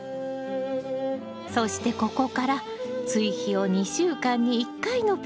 そしてここから追肥を２週間に１回のペースで始めるのよ。